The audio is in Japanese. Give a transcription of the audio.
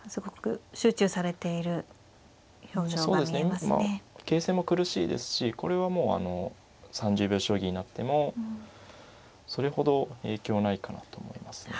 まあ形勢も苦しいですしこれはもう３０秒将棋になってもそれほど影響ないかなと思いますね。